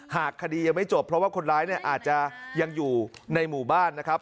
หากคดียังไม่จบเพราะว่าคนร้ายเนี่ยอาจจะยังอยู่ในหมู่บ้านนะครับ